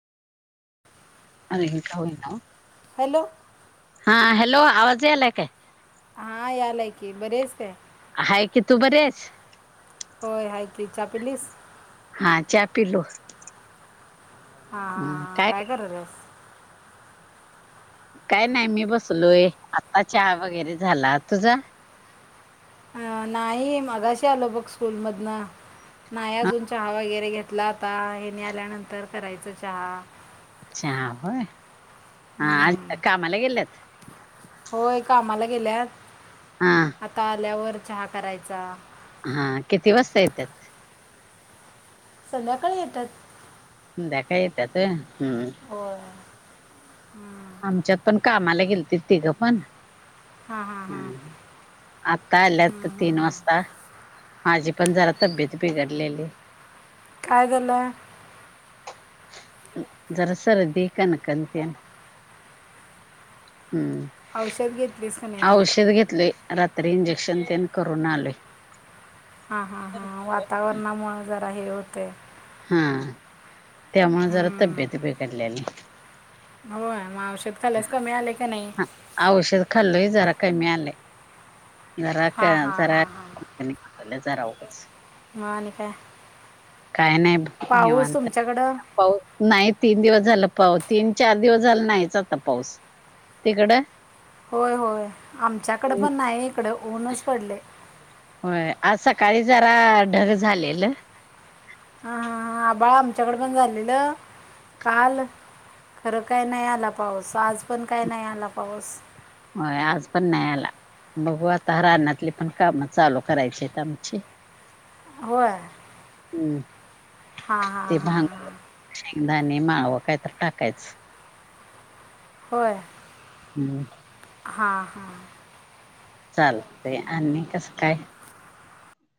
आणि इंका होनाव [inaudible] हॅलो हा हॅलो आवाजलाय का हा यालाय की बरेच आहेा की तू बर आहेस. हो आहे की चहा पिलीस हा चहा पिलो हा हा काय कर रेस काय नाही मी बसलोय आता चहा वगैरे झाला. तुझा अ नाही मगाशी आलो बघ स्कूल मधन नाही अजून चहा वगैरे घेत. तिथला आता हेने आल्यानंतर करायचं. चहा अच्छ ह होय हम्म. हा कामाला गेलेत. होय कामाला गेल्यात. हा आता आल्यावर चहा करायचा. हा किती वाजता येतात. सध्याकाळी येतात. संध्याकाळी येतात हम्म हो आमच्यात पण कामाला गेल. ते तिघं पण हा हा हम आताल्यात तीन वास्ता माझी पण जरा तब्येत बिघडलेली. काय झालं? जरा सर्दी कंकण हम्म औषध घेतलीस का नाही मग औषध घेतले रात्री इंजेक्शन त्यान करून आले हा हा हा वातावरणामुळे जरा हे होते हा त्यामुळे जरा हम्म. तब्येत बिघडल्याली हो मग औषध खालस कमी आले की नाही. औषध खाल्लं जरा कमी आलंय जरा हां हां जरा हां हां त्यांल्या जराहच मन काय? काय नाही बसलो पाऊस निवांत तुमच्याकडं पास नाही तीन दिवस झालं पा तीन चार दिवस झालं नाहीच. आता पाऊस तिकडं होय होय आमच्याकडे पण नाही इकडे ऊनच पडले होय आज सकाळी जरा ढग झालेल हा हा हा आबाळ आमच्याकड पण झालेलं काल खरं काय नाही आला पाऊस आज पण काय नाही आला पाऊस होय आज पण नाही आला बघू आता राहनाली पण कामं चालू करायची आहेत आमची हो हम्म हा हा ते हा भांग हा शेंगदाणे माळवं काय तर टाकायच होय हम् हा हा चालते आणि कसं काय